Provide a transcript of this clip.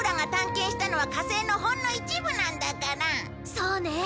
そうね。